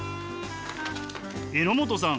榎本さん